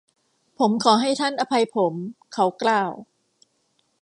ผมขอให้ท่านอภัยผม เขากล่าว